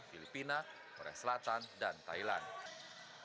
filipina korea selatan dan thailand